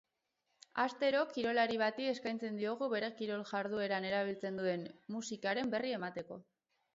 Astero kirolari bati eskatzen diogu bere kirol jardueran erabiltzen duen musikaren berri emateko.